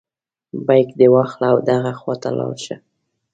بیک دې واخله او دغه خواته لاړ شه.